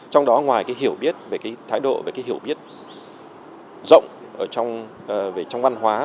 trong đó ngoài hiểu biết về thái độ hiểu biết rộng trong văn hóa